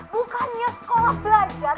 bukannya sekolah belajar